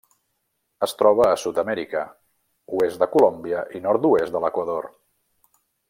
Es troba a Sud-amèrica: oest de Colòmbia i nord-oest de l'Equador.